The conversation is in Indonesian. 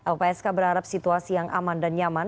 lpsk berharap situasi yang aman dan nyaman